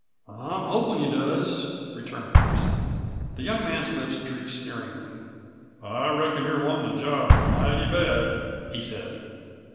"I'm hopin' he does," returned Ferguson. The young man's lips drooped sneeringly. "I reckon you're wantin' a job mighty bad," he said.